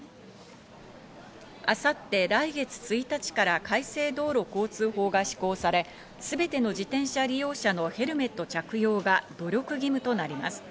明後日、来月１日から改正道路交通法が施行され、すべての自転車利用者のヘルメット着用が努力義務となります。